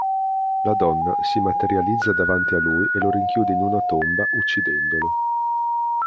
La donna si materializza davanti a lui e lo rinchiude in una tomba, uccidendolo.